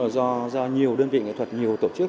do nhiều đơn vị nghệ thuật nhiều tổ chức